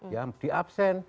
ya di absen